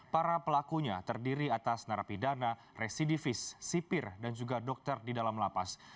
para pelakunya terdiri atas narapidana residivis sipir dan juga dokter di dalam lapas